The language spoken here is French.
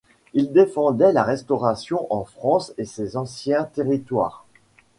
Il défendait la Restauration en France et ses anciens territoires.